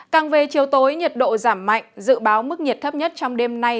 càng về chiều tối nhiệt độ giảm mạnh dự báo mức nhiệt thấp nhất trong đêm nay